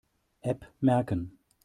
App merken.